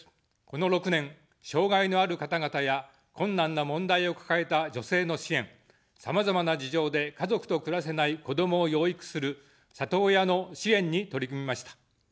この６年、障がいのある方々や困難な問題を抱えた女性の支援、さまざまな事情で家族と暮らせない子どもを養育する里親の支援に取り組みました。